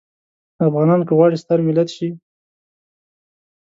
افغانان که غواړي ستر ملت شي.